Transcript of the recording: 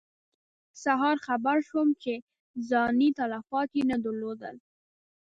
سهار خبر شوم چې ځاني تلفات یې نه درلودل.